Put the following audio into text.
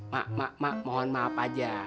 mak mak mak mohon maaf aja